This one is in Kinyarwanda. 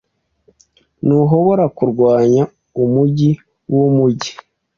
Ntuhobora kurwanya umujyi wumujyi